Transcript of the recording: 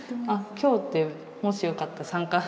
今日ってもしよかったら参加。